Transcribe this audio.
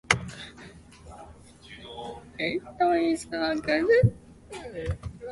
It is a group of aherbaceous perennials with rhizomes or corms.